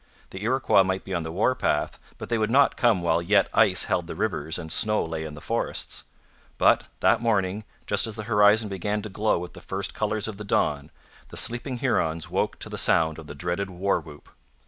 The Iroquois might be on the war path, but they would not come while yet ice held the rivers and snow lay in the forests. But that morning, just as the horizon began to glow with the first colours of the dawn, the sleeping Hurons woke to the sound of the dreaded war whoop.